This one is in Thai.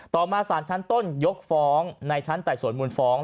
ต่อมาศาลชั้นต้นยกฟ้องในชั้นแต่ส่วนมุมฟ้อง